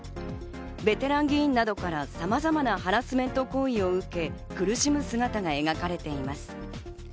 ベテラン議員などから、さまざまなハラスメント行為を受け、苦しむ姿が描かれています。